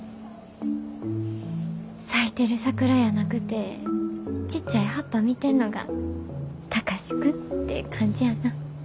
咲いてる桜やなくてちっちゃい葉っぱ見てんのが貴司君って感じやな。